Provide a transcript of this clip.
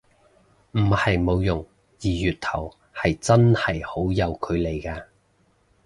唔係冇用，二月頭係真係好有距離嘅